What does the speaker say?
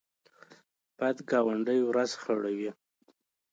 بد ګاونډی ورځ خړوي